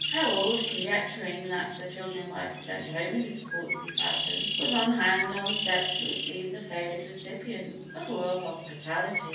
Harold, conjecturing that the children might be sent home in this courtly fashion, was on hand on the steps to receive the favored recipients of royal hospitality.